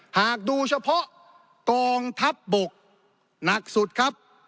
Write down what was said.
หากดูเฉพาะกองทัพบกหนักสุดครับ